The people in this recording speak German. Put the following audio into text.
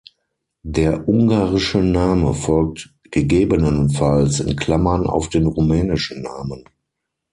Der ungarische Name folgt gegebenenfalls in Klammern auf den rumänischen Namen.